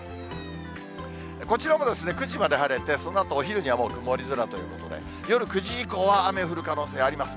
こちらも９時まで晴れて、そのあとお昼にはもう曇り空ということで、夜９時以降は雨降る可能性あります。